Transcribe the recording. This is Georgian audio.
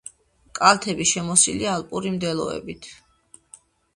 კალთები შემოსილია ალპური მდელოებით.